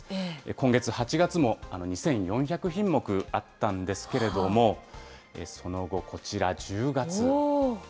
今月８月も２４００品目あったんですけれども、その後、こちら、１０月。